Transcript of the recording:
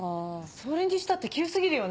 それにしたって急過ぎるよね。